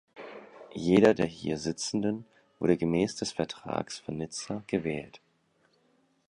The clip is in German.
Jeder der hier Sitzenden wurde gemäß des Vertrags von Nizza gewählt.